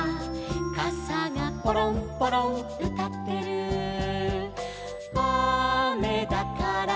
「かさがポロンポロンうたってる」「あめだから」